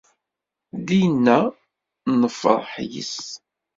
Dinna, nefreḥ yis.